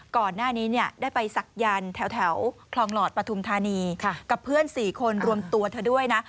ก่อนหน้านี้ได้ไปศักยันต์แถวคลองหลอดปฐุมธานีกับเพื่อน๔คนรวมตัวเธอด้วยนะ